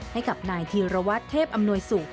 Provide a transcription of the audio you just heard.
ให้กับนายธีรวรรษเทพอำนวยศุกร์